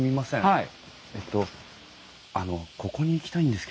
はい。